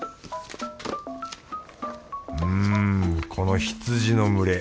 うんこの羊の群れ